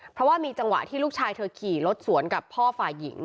เพราะว่ามีจังหวะที่ลูกชายเธอขี่รถสวนกับพ่อฝ่ายหญิง